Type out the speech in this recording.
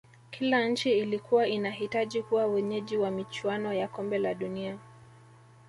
Kila nchi ilikuwa inahitaji kuwa wenyeji wa michuano ya kombe la dunia